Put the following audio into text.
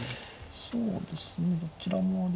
そうですねどちらもあり。